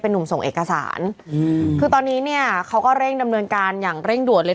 หนุ่มส่งเอกสารอืมคือตอนนี้เนี่ยเขาก็เร่งดำเนินการอย่างเร่งด่วนเลย